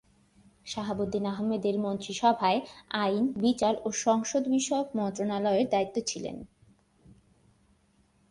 শাহাবুদ্দিন আহমেদের মন্ত্রিসভায় আইন, বিচার ও সংসদ বিষয়ক মন্ত্রণালয়ের দায়িত্বে ছিলেন।